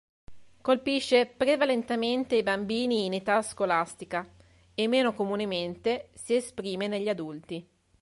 Colpisce prevalentemente i bambini in età scolastica e meno comunemente si esprime negli adulti.